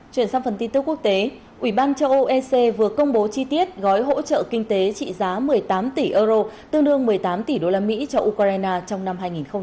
chuyển sang phần tin tức quốc tế ủy ban châu âu ec vừa công bố chi tiết gói hỗ trợ kinh tế trị giá một mươi tám tỷ euro tương đương một mươi tám tỷ usd cho ukraine trong năm hai nghìn hai mươi